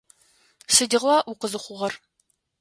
Сыдигъуа укъызыхъугъэр?